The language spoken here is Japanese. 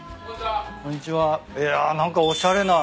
いや何かおしゃれな。